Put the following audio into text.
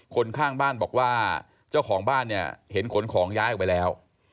คนข้างบ้านบอกว่าเจ้าของบ้านเนี่ยเห็นขนของย้ายออกไปแล้ว